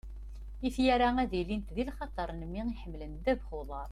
ifyar-a ad ilint di lxaṭer n mmi iḥemmlen ddabex n uḍar.